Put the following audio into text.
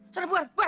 sana keluar keluar